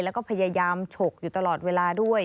แล้วก็พยายามฉกอยู่ตลอดเวลาด้วย